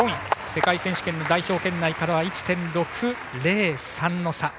世界選手権の代表圏内からは１．６０３の差。